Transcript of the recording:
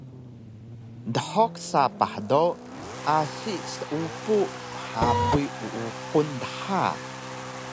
Dhuq sapah do asi seupu mhapuy uuqun dha